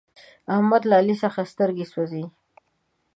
د احمد له علي څخه سترګه سوزي.